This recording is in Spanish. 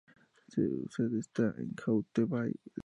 Su sede está en Hauteville-Lompnes.